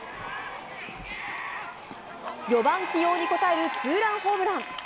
４番起用に応えるツーランホームラン！